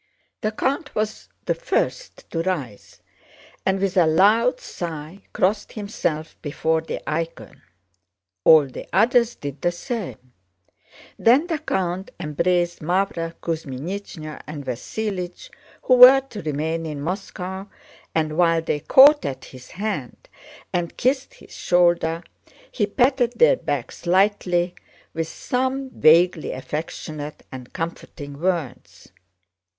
The count was the first to rise, and with a loud sigh crossed himself before the icon. All the others did the same. Then the count embraced Mávra Kuzmínichna and Vasílich, who were to remain in Moscow, and while they caught at his hand and kissed his shoulder he patted their backs lightly with some vaguely affectionate and comforting words.